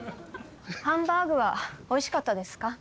ハンバーグはおいしかったですか？